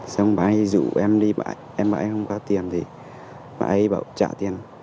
xong bà ấy rủ em đi em bà ấy không có tiền thì bà ấy bảo trả tiền